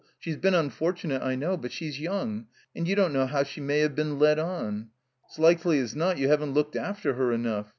She's been unfortunate, I know; but she's young, and you don't know how she may have been led on. 'S likely's not you haven't looked after her enough.